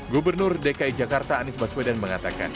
gubernur dki jakarta anies baswedan mengatakan